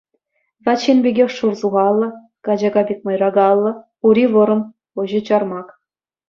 Ват ҫын пекех шур сухаллӑ, качака пек мӑйракаллӑ, ури вӑрӑм, куҫӗ чармак.